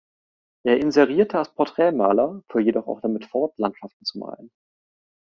Er inserierte als Porträtmaler, fuhr jedoch auch damit fort, Landschaften zu malen.